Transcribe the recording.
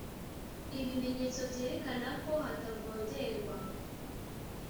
Ibimenyetso Byerekana Ko Hatavogerwa